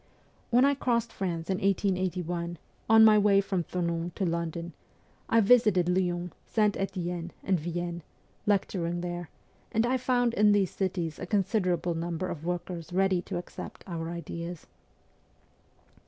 When I crossed France in 1881, on my way from Thonon to London, I visited Lyons, St. Etienne, and Vienne, lecturing there, and I found in these cities a considerable number of workers ready to accept our ideas.